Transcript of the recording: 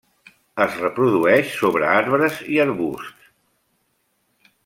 Es reprodueix sobre arbres i arbusts.